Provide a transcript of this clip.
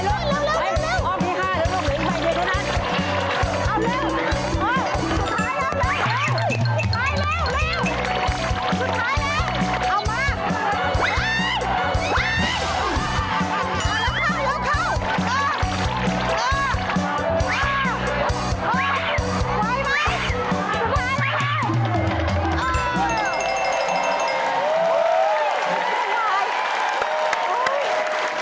เย็นมาก